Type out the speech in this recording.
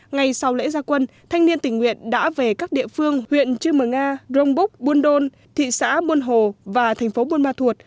ngày sau lễ gia quân thanh niên tình nguyện đã về các địa phương huyện chư mờ nga rong búc buôn đôn thị xã buôn hồ và thành phố buôn ma thuột